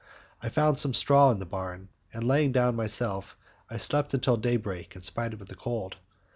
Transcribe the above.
I found some straw in the barn, and laying myself down, I slept until day break in spite of the cold.